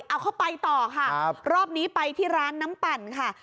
เอาเข้าไปต่อค่ะรอบนี้ไปที่ร้านน้ำปั่นค่ะ